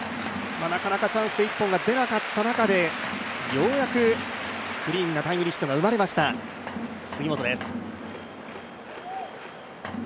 なかなかチャンスで１本が出なかったなかで、ようやくクリーンなタイムリーヒットが生まれました、杉本です。